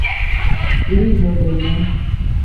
Líǐrzɔ̀ lɛ́nɛ̀.